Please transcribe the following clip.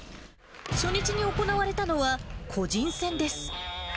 初日に行われたのは、個人戦です。